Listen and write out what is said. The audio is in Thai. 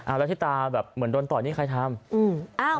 แล้วที่ตาแบบเหมือนโดนต่อยนี่ใครทำ